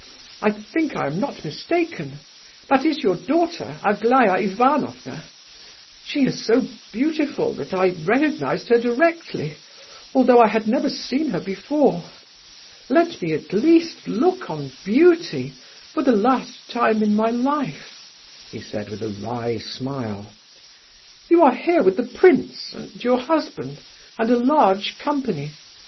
I think I am not mistaken? That is your daughter, Aglaya Ivanovna? She is so beautiful that I recognized her directly, although I had never seen her before. Let me, at least, look on beauty for the last time in my life," he said with a wry smile. "You are here with the prince, and your husband, and a large company.